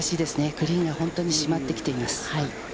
グリーンが本当に締まってきています。